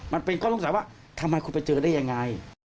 มันเป็นข้อสงสัยว่าทำไมคุณไปเจอได้ยังไง